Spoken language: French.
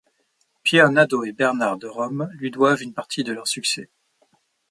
Pierre Nadeau et Bernard Derome lui doivent une partie de leur succès.